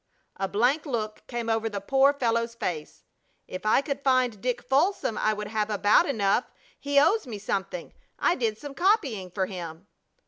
A blank look came over the poor fellow's face. "If I could find Dick Folsom I would have about enough. He owes me something. I did some copying for him."